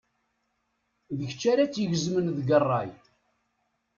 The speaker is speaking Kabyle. D kečč ara tt-igezmen deg rray.